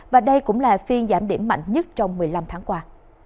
và đây cũng là phiên giảm điểm mạnh nhất trong một mươi năm tháng qua